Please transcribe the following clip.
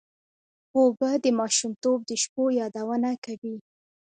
اوبه د ماشومتوب د شپو یادونه کوي.